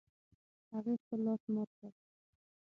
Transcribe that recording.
هغې خپل لاس مات کړ